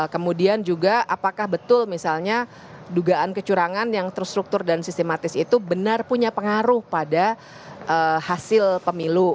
kemudian juga apakah betul misalnya dugaan kecurangan yang terstruktur dan sistematis itu benar punya pengaruh pada hasil pemilu